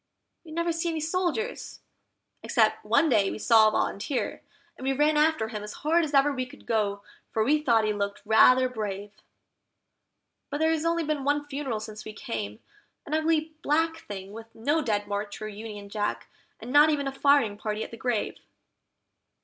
We never see any soldiers, except one day we saw a Volunteer, and we ran after him as hard as ever we could go, for we thought he looked rather brave; But there's only been one funeral since we came, an ugly black thing with no Dead March or Union Jack, and not even a firing party at the grave.